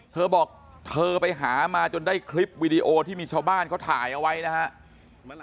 เธอบอกเธอไปหามาจนได้คลิปวีดีโอที่มีชาวบ้านเขาถ่ายเอาไว้นะครับ